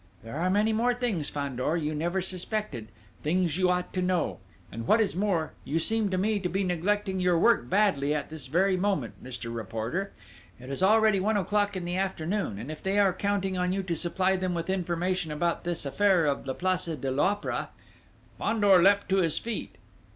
"There are many more things, Fandor, you never suspected, things you ought to know.... And what is more, you seem to me to be neglecting your work badly at this very moment, Mr. Reporter! It is already one o'clock in the afternoon; and if they are counting on you to supply them with information about this affair of the place de l'Opéra...." Fandor leapt to his feet.